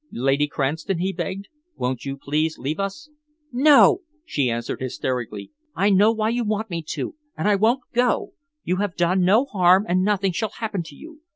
"Lady Cranston," he begged, "won't you please leave us?" "No!" she answered hysterically. "I know why you want me to, and I won't go! You have done no harm, and nothing shall happen to you.